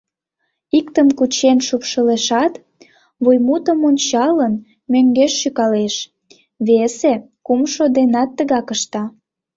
Иктым кучен шупшылешат, вуймутым ончалын, мӧҥгеш шӱкалеш, весе, кумшо денат тыгак ышта.